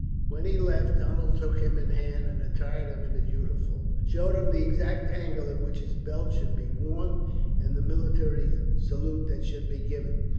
When he left, Donald took him in hand, attired him in his uniform, showed him the exact angle at which his belt should be worn, and the military salute that should be given.